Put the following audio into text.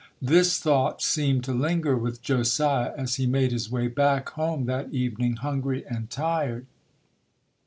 This thought seemed to linger with Josiah as he made his way back home that evening hungry and tired.